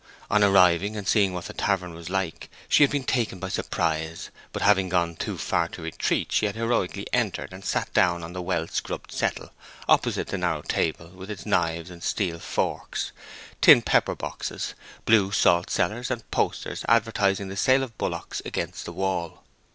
On arriving, and seeing what the tavern was like, she had been taken by surprise; but having gone too far to retreat, she had heroically entered and sat down on the well scrubbed settle, opposite the narrow table with its knives and steel forks, tin pepper boxes, blue salt cellars, and posters advertising the sale of bullocks against the wall.